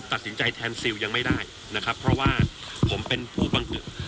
ตัดสินใจแทนซิลยังไม่ได้นะครับเพราะว่าผมเป็นผู้บังคับ